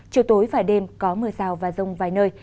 chiều tối và đêm có mưa rào và rông vài nơi